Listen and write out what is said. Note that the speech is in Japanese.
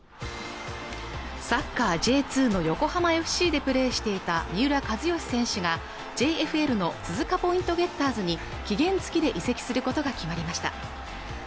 サッカーＪ２の横浜ＦＣでプレーしていた三浦知良選手がＪＦＬの鈴鹿ポイントゲッターズに期限付きで移籍することが決まりました